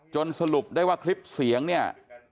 สรุปได้ว่าคลิปเสียงเนี่ย